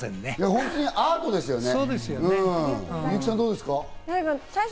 本当にラテアートですね。